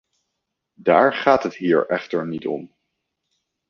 Daar gaat het hier echter niet om.